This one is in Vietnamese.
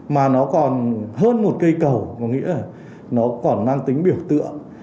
mà nó còn hơn một cây cầu có nghĩa là nó còn mang tính biểu tượng